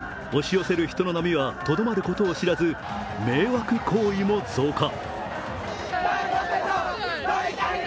夜が深まっても、押し寄せる人の波はとどまることを知らず、迷惑行為も増加。